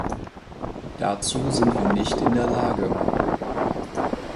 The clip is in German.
Dazu sind wir nicht in der Lage.